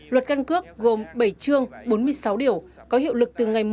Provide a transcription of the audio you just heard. luật căn cước gồm bảy chương bốn mươi sáu điểu có hiệu lực từ ngày một